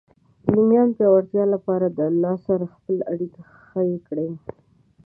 د ایمان پیاوړتیا لپاره د الله سره خپل اړیکه ښې کړئ.